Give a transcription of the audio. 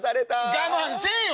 我慢せぇよ！